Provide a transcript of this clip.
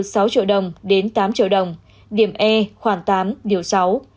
từ sáu triệu đồng đến tám triệu đồng điểm e khoảng tám điều sáu